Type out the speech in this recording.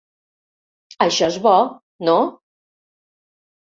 Això és bo, no?